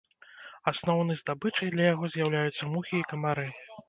Асноўны здабычай для яго з'яўляюцца мухі і камары.